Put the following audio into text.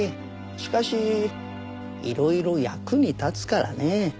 しかしいろいろ役に立つからね。